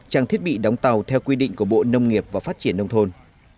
trang thiết bị đóng tàu theo quy định của bộ nông nghiệp và phát triển nông thôn